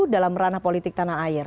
dalam ranah politik tanah air